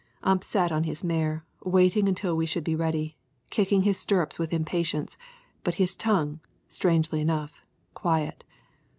Ump sat on his mare, waiting until we should be ready, kicking his stirrups with impatience, but his tongue, strangely enough, quiet.